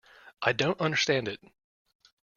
I don't understand it.